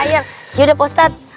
yaudah pak ustadz